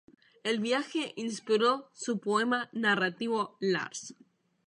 El viaje inspiró su poema narrativo "Lars.